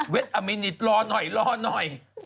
เวทอัมมินิตรรอหน่อยรอหน่อย